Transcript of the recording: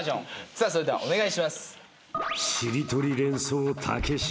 さあそれではお願いします。